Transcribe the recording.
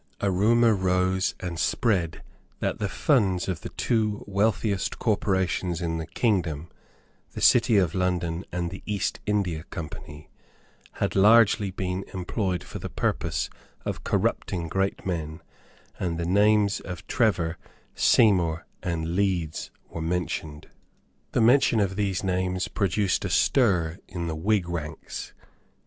A rumour rose and spread that the funds of the two wealthiest corporations in the kingdom, the City of London and the East India Company, had been largely employed for the purpose of corrupting great men; and the names of Trevor, Seymour and Leeds were mentioned. The mention of these names produced a stir in the Whig ranks.